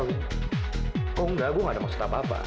kok enggak gue gak ada maksud apa apa